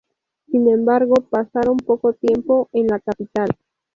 Sin embargo, pasaron poco tiempo en la capital.